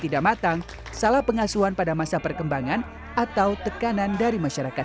tidak matang salah pengasuhan pada masa perkembangan atau tekanan dari masyarakat